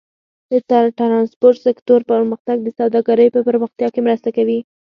د ټرانسپورټ سکتور پرمختګ د سوداګرۍ په پراختیا کې مرسته کوي.